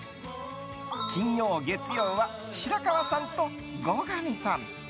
金曜、月曜は白川さんと後上さん。